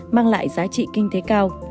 mang lại giá trị kinh tế cao